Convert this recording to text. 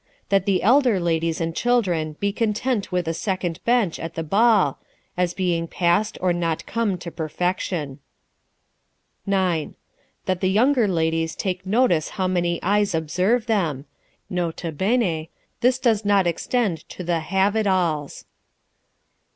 That the elder ladies and children be content with a second bench at the ball, as being past or not come to perfection. 9. " That the younger ladies take notice how many eyes observe them. N.B. This does not extend to the Have at alls.